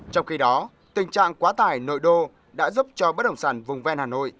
trong khi đó tình trạng quá tải nội đô đã giúp cho bất động sản vùng ven hà nội